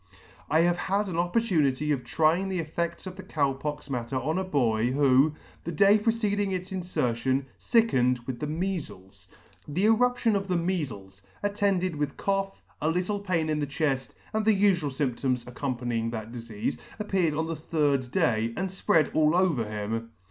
I have had an opportunity of trying the effeds of the Cow pox matter on a boy who, the day preceding its infertion, fickened with the mealies. The eruption of the mealies, at tended with cough, a little pain in the chell, and the ufual fymp toms accompanying that difeafe, appeared on the third day, and fpread all over him.